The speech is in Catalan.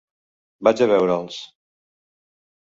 Vaig a veure'ls.